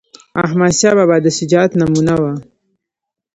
احمدشاه بابا د شجاعت نمونه وه..